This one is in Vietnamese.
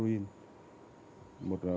và một gói thuốc lắc